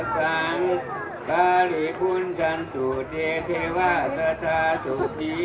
ทางคนอยู่ฮันดี้